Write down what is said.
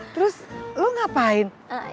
terus lu ngapain